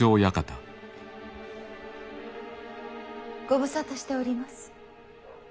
ご無沙汰しております。